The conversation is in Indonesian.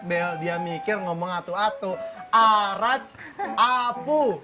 bel dia mikir ngomong atu atu arab apu